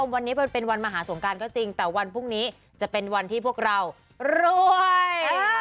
วันนี้มันเป็นวันมหาสงการก็จริงแต่วันพรุ่งนี้จะเป็นวันที่พวกเรารวย